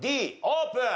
Ｄオープン！